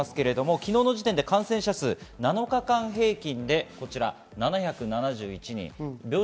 昨日時点で感染者数７日間平均で７７１人。